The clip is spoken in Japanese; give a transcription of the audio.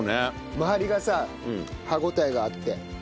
周りがさ歯応えがあって。